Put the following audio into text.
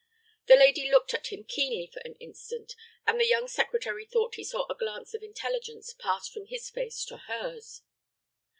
The lady looked at him keenly for an instant, and the young secretary thought he saw a glance of intelligence pass from his face to hers.